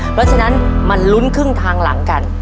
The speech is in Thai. เพราะฉะนั้นมาลุ้นครึ่งทางหลังกัน